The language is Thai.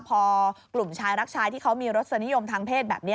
พอกลุ่มชายรักชายที่เขามีรสนิยมทางเพศแบบนี้